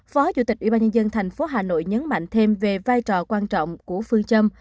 phó chủ tịch ủy ban nhân dân thành phố hà nội nhấn mạnh thêm về vai trò quan trọng của phương châm